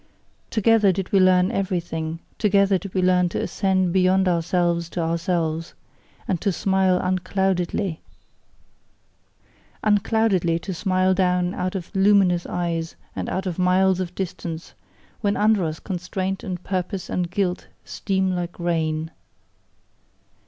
Together did we learn everything; together did we learn to ascend beyond ourselves to ourselves, and to smile uncloudedly: Uncloudedly to smile down out of luminous eyes and out of miles of distance, when under us constraint and purpose and guilt steam like rain.